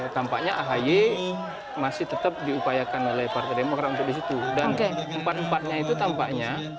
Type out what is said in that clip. tampaknya ahay masih tetap diupayakan oleh partai demokrasi itu dan keempat empatnya itu tampaknya